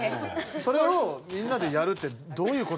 それをみんなでやるってどういうことだと思う？